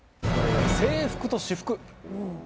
制服と私服。